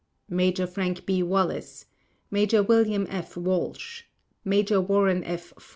Major Frank B. Wallis Major William F. Walsh Major Warren F.